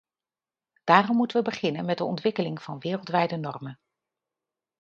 Daarom moeten we beginnen met de ontwikkeling van wereldwijde normen.